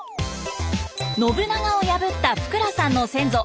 信長を破った福羅さんの先祖。